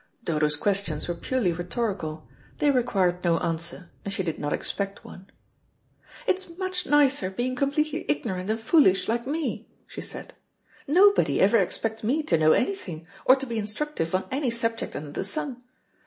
Dodo's questions were purely rhetorical; they required no answer, and she did not expect one. "It is much nicer being completely ignorant and foolish like me," she said. "Nobody ever expects me to know anything, or to be instructive on any subject under the sun.